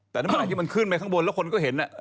แต่ในหมายความที่มันขึ้นไว้แล้วคนก็เห็นไง